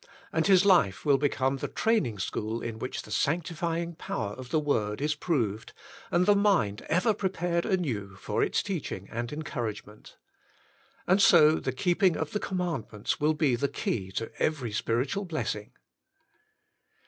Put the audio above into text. And his life will become the training school in which the sanctifying power of the Word is proved, and the mind ever prepared anew for its teaching and encouragement. And so the keeping of the com mandments will be the key to every spiritual blessing.